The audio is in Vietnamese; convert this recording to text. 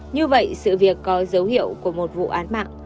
như vậy sự việc có dấu hiệu của một vụ án mạng